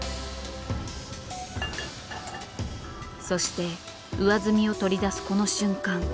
そして上澄みを取り出すこの瞬間